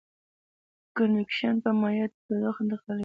کنویکشن په مایعاتو کې تودوخه انتقالوي.